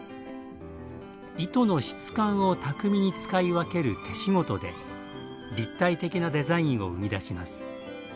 糸の質感を巧みに使い分ける手仕事で立体的なデザインを生み出します。